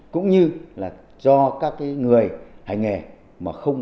cũng như là do các người hành nghề mà không